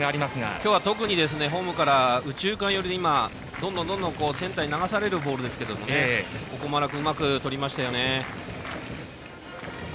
今日は、特にホームから右中間寄りにどんどんセンターへ流されるボールですが鉾丸君がうまくとりましたね。